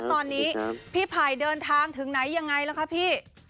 ตอนนี้พี่ไผ่เดินทางถึงไหนยังไงล่ะคะพี่